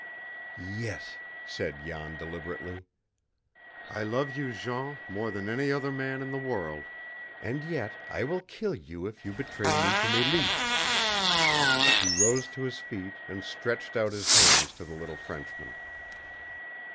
"Yes," said Jan deliberately. "I love you, Jean more than any other man in the world; and yet I will kill you if you betray me to Mélisse!" He rose to his feet and stretched out his hands to the little Frenchman.